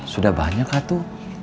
sudah banyak katu